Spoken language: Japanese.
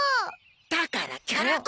だからキャラ公！